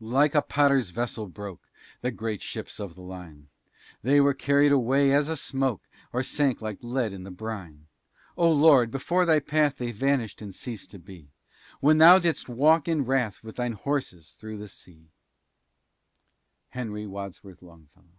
Like a potter's vessel broke The great ships of the line; They were carried away as a smoke, Or sank like lead in the brine. O Lord! before thy path They vanished and ceased to be, When thou didst walk in wrath With thine horses through the sea! HENRY WADSWORTH LONGFELLOW.